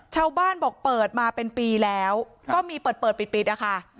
ชาวบ้านบอกเปิดมาเป็นปีแล้วก็มีเปิดเปิดปิดนะคะ